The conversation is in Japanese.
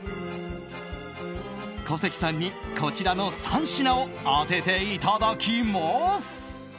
小関さんにこちらの３品を当てていただきます。